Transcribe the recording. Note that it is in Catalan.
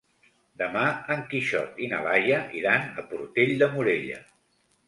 Demà en Quixot i na Laia iran a Portell de Morella.